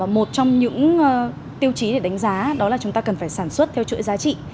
một trong những tiêu chí để đánh giá đó là chúng ta cần phải sản xuất theo chuỗi giá trị